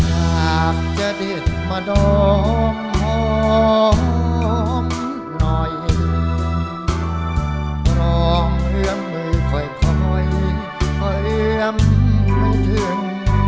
อยากจะดิ้นมาดองหอมหน่อยรองเลือดมือค่อยค่อยค่อยอำนาจื่น